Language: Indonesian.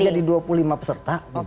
jadi dua puluh lima peserta